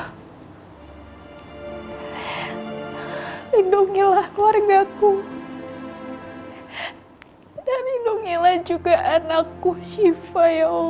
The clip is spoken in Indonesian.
hindungilah warga ku dan hindungilah juga anak ku syifa